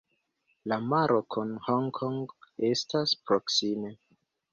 La maro kun Honkongo estas proksime.